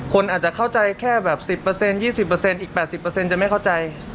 คนอาจจะเข้าใจแค่แบบ๑๐๒๐อีก๘๐จะไม่เข้าใจ